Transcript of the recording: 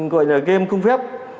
gọi là game cung phép